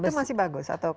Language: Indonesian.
itu masih bagus atau kurang